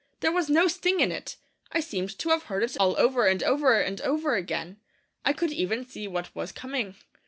There was no sting in it. I seemed to have heard it all over and over and over again; I could even see what was coming.